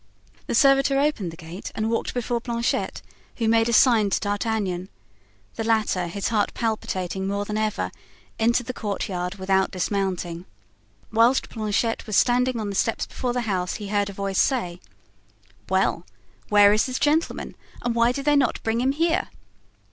The servitor opened the gate and walked before Planchet, who made a sign to D'Artagnan. The latter, his heart palpitating more than ever, entered the courtyard without dismounting. Whilst Planchet was standing on the steps before the house he heard a voice say: "Well, where is this gentleman and why do they not bring him here?"